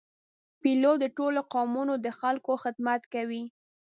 پیلوټ د ټولو قومونو د خلکو خدمت کوي.